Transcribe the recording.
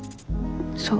そう。